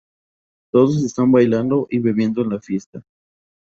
Todos están bailando y bebiendo en la fiesta.